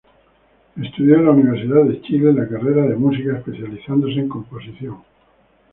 Estudió en la Universidad de Chile la carrera de Música, especializándose en composición.